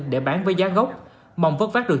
để bán với giá gốc mong vớt vát được